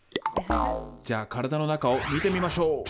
じゃあ体の中を見てみましょう。